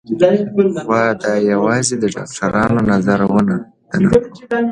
خو دا يوازې د ډاکترانو نظر و نه د ناروغ.